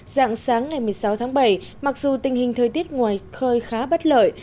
dạng sáng ngày một mươi sáu tháng bảy mặc dù tình hình thời tiết ngoài khơi khá bất lợi